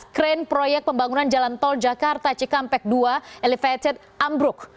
kren proyek pembangunan jalan tol jakarta cikampek dua elevated ambruk